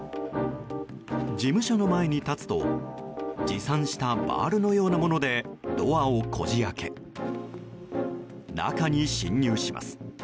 事務所の前に立つと持参したバールのようなものでドアをこじ開け中に侵入します。